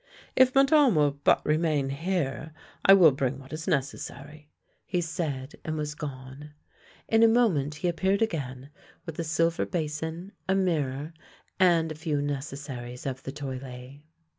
" If Madame will but remain here, I will bring what is necessary," he said, and was gone. In a moment he appeared again with a silver basin, a mirror, and a few necessaries of the toilet.